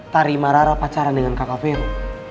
tarima rara pacaran dengan kak vero